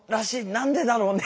何でだろうね」